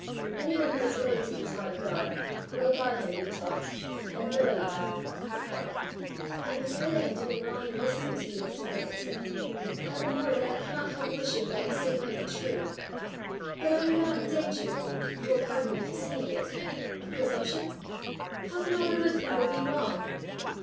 Anyone who is willing to be taught of God, will by him be taught, and thoroughly taught." "I am afraid I am doing wrong in listening to you, Mr. Grant and the more that I cannot help wishing what you say might be true! But are you not in danger you will pardon me for saying it of presumption? How can all the good people be wrong?"